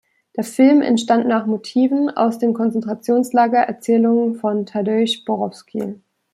Der Film entstand nach Motiven aus den Konzentrationslager-Erzählungen von Tadeusz Borowski.